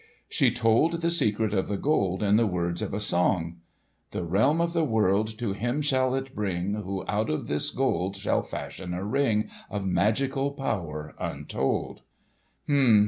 She told the secret of the Gold in the words of a song "The realm of the world To him shall it bring Who out of this Gold Shall fashion a Ring Of magical power untold.